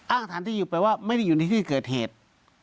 สถานที่อยู่แปลว่าไม่ได้อยู่ในที่เกิดเหตุ